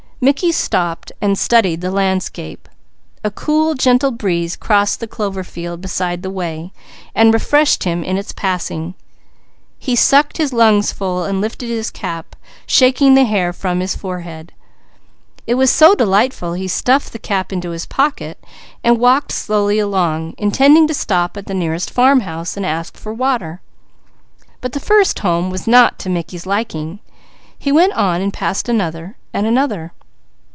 Mickey stopped, studying the landscape. A cool gentle breeze crossed the clover field beside the way, refreshing him in its passing. He sucked his lungs full, then lifted his cap, shaking the hair from his forehead. He stuffed the cap into his pocket, walking slowly along, intending to stop at the nearest farmhouse to ask for water. But the first home was not to Mickey's liking. He went on, passing another and another.